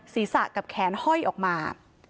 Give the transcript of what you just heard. ศีรษะกับแขนห้อยออกมา